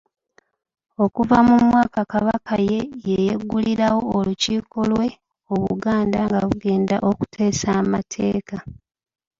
Okuva mu mwaka Kabaka ye yeggulirawo olukiiko lwe Obuganda nga bugenda okuteesa amateeka.